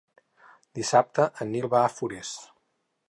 Dissabte en Nil va a Forès.